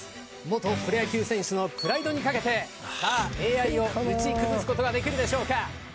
元プロ野球選手のプライドに懸けてＡＩを打ち崩すことができるでしょうか？